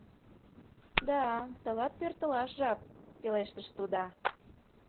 — Да, тылат пӧртылаш жап, — пелештыш тудо.